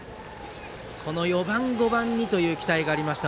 この４番、５番にという期待がありました。